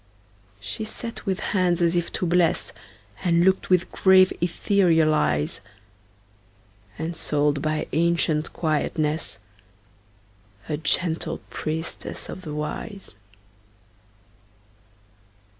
She sat with hands as if to bless, And looked with grave, ethereal eyes; Ensouled by ancient quietness, A gentle priestess of the Wise.